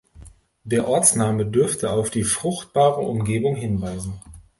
Der Ortsname dürfte auf die fruchtbare Umgebung hinweisen.